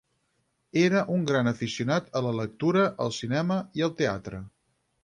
Era un gran aficionat a la lectura, al cinema i al teatre.